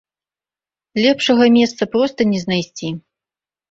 Лепшага месца проста не знайсці.